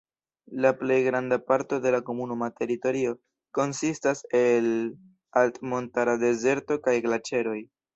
La plej granda parto de la komunuma teritorio konsistas el altmontara dezerto kaj glaĉeroj.